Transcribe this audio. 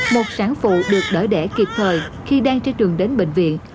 một sản phụ được đỡ đẻ kịp thời khi đang trên trường đến bệnh viện